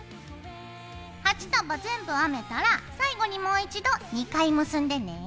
８束全部編めたら最後にもう一度２回結んでね。